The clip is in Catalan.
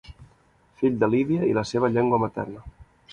Fill de Lídia i la seva llengua materna.